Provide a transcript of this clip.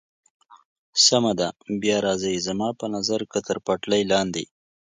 سمه ده، نو بیا راځئ، زما په نظر که تر پټلۍ لاندې.